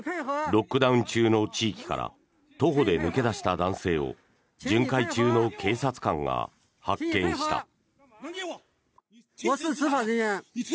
ロックダウン中の地域から徒歩で抜け出した男性を巡回中の警察官が発見した。